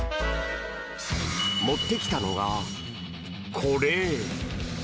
持ってきたのが、これ！